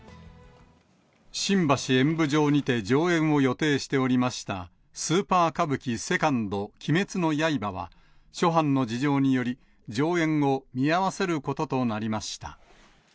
新橋演舞場にて上演を予定しておりました、スーパー歌舞伎ＩＩ鬼滅の刃は、諸般の事情により、上演を見合わせることとなりました。